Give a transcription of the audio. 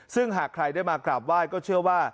ซึ่งหากใครได้มากราบไหว้ก็เชื่อว่า